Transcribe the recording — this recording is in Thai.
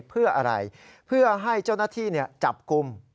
เพื่ออะไรเพื่อให้เจ้าหน้าที่จับกลุ่ม